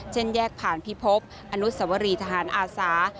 เช่นแยกผ่านพิพบอนุสวรีทหารอาศาสตร์